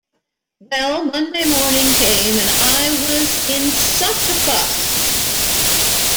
Well, Monday morning came, and I was in such a fuss!